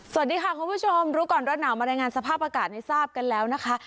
สวัสดีค่ะคุณผู้ชมรู้ก่อนร้อนหนาวมารายงานสภาพอากาศให้ทราบกันแล้วนะคะ